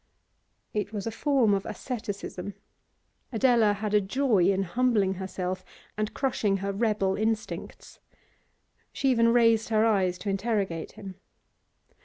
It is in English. It was a form of asceticism; Adela had a joy in humbling herself and crushing her rebel instincts. She even raised her eyes to interrogate him.